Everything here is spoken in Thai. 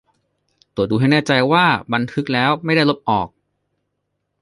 ตรวจดูให้แน่ใจว่าบันทึกแล้วไม่ได้ลบออก